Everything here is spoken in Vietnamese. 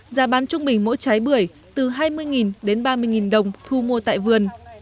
giá bán trung bình mỗi trái bưởi từ hai mươi đến ba mươi đồng thu mua tại vườn